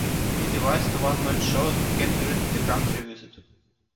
He devised a one-man show and began touring the country with it.